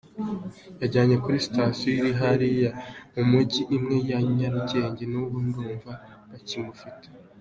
Yajyanwe kuri station iri hariya mu Mujyi, imwe ya Nyarugenge, n’ubu ndumva bakimufite.